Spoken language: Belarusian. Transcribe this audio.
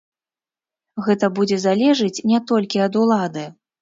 Гэта будзе залежыць не толькі ад улады.